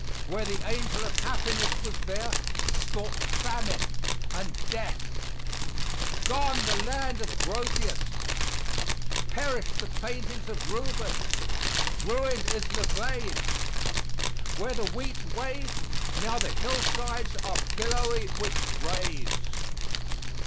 Where the angel of happiness was there stalk Famine and Death. Gone, the Land of Grotius! Perished the paintings of Rubens! Ruined is Louvain. Where the wheat waved, now the hillsides are billowy with graves.